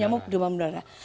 nyamuk demam berdarah